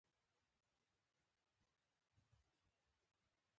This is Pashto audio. پیغمبر علیه السلام یهودي جنازې ته ودرېده.